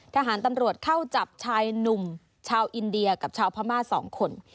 ทหารตำรวจเข้าจับชายหนุ่มชาวอินเดียกับชาวพม่า๒คน